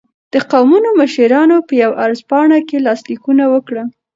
د قومونو مشرانو په یوه عرض پاڼه کې لاسلیکونه وکړل.